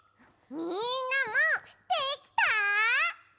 みんなもできた？